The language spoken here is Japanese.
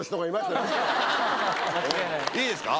いいですか？